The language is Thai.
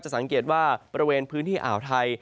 สังเกตว่าบริเวณพื้นที่อ่าวไทย